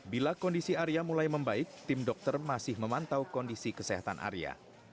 bila kondisi arya mulai membaik tim dokter masih memantau kondisi kesehatan arya